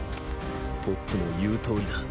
ポップの言うとおりだ。